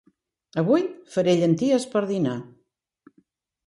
Avui faré llenties per dinar.